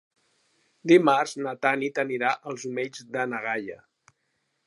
Dimarts na Tanit anirà als Omells de na Gaia.